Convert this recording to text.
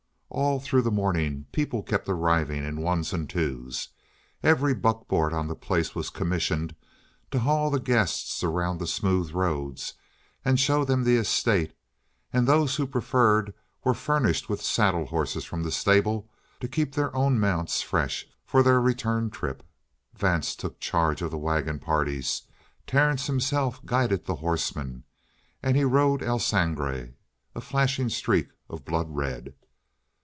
All through the morning people kept arriving in ones and twos. Every buckboard on the place was commissioned to haul the guests around the smooth roads and show them the estate; and those who preferred were furnished with saddle horses from the stable to keep their own mounts fresh for their return trip. Vance took charge of the wagon parties; Terence himself guided the horsemen, and he rode El Sangre, a flashing streak of blood red.